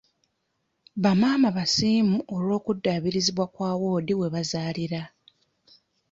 Ba maama basiimu olw'okuddabirizibwa kwa woodi webazaalira.